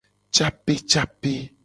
Capecape.